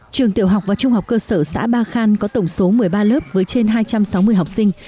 trường tiểu học và trung học cơ sở xã ba khan có tổng số một mươi ba lớp với trên hai trăm sáu mươi học sinh